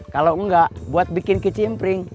kalau enggak buat bikin kecimpring